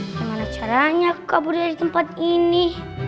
bagaimana caranya aku kabur dari tempat ini